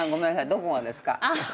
どこがですか？